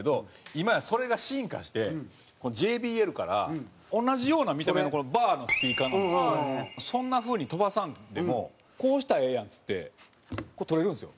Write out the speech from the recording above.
今やそれが進化してＪＢＬから同じような見た目のバーのスピーカーなんですけどそんな風に飛ばさなくてもこうしたらええやんっつって取れるんですよ。